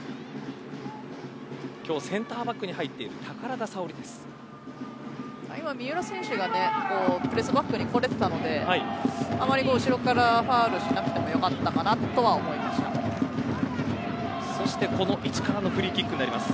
今日センターバックに入っている今、三浦選手がプレスバックにこれていたのであまり後ろからファウルしなくてもそして、この位置からのフリーキックになります。